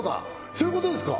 そういうことですか？